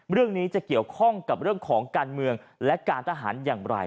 เรื่องนี้จะเกี่ยวข้องกับเรื่องของการเมืองและการทหารอย่างไร